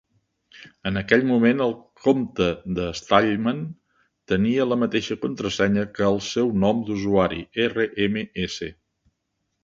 En aquell moment, el compte de Stallman tenia la mateixa contrasenya que el seu nom d'usuari: "rms".